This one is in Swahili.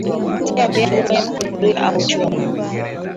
tia viazi kwenye sufuri au chungu